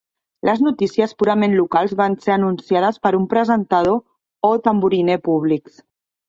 Les notícies purament locals van ser anunciades per un presentador o tamboriner públics.